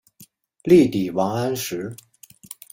力抵王安石。